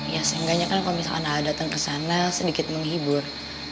ya seenggaknya kan kalo misalkan a dateng kesana sedikit menghibur